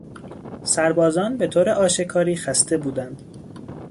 سربازان به طور آشکاری خسته بودند.